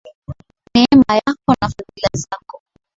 Neema yako na fadhili zako.